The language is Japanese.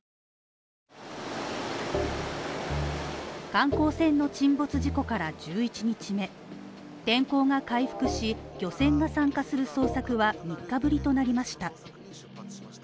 観光船の沈没事故から１１日目天候が回復し、漁船が参加する捜索は３日ぶりとなりました